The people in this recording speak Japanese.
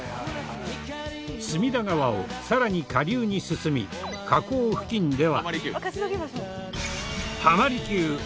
隅田川を更に下流に進み河口付近では。